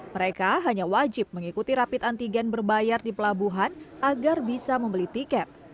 mereka hanya wajib mengikuti rapid antigen berbayar di pelabuhan agar bisa membeli tiket